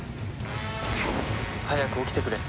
早く起きてくれ。